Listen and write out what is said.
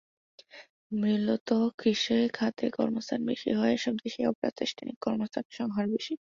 মূলত কৃষি খাতে কর্মসংস্থান বেশি হওয়ায় এসব দেশে অপ্রাতিষ্ঠানিক কর্মসংস্থানের হার বেশি।